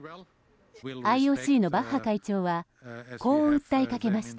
ＩＯＣのバッハ会長はこう訴えかけました。